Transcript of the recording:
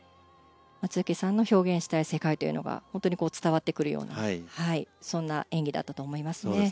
松生さんの表現したい世界というのが本当に伝わってくるようなそんな演技だったと思いますね。